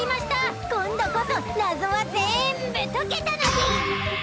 今度こそ謎は全部解けたのでぃす！